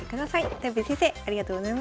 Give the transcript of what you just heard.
とよぴー先生ありがとうございました。